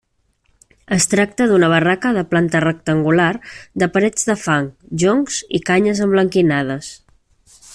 Es tracta d'una barraca de planta rectangular de parets de fang, joncs i canyes emblanquinades.